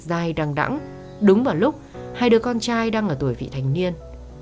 và dài đăng đẳng đúng vào lúc hai đứa con trai đang ở tuổi vị thành niên